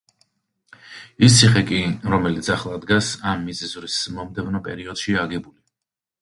ის ციხე კი, რომელიც ახლა დგას, ამ მიწისძვრის მომდევნო პერიოდშია აგებული.